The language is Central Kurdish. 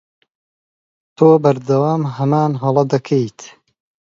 تۆ بەردەوام هەمان هەڵە دەکەیت.